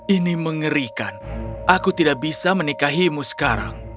ini mengerikan aku tidak bisa menikahimu sekarang